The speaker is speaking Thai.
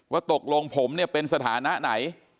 ว่าตกลงผมเป็นสถานะไหน